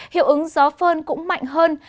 hiệu ứng gió phơn cũng mạnh hơn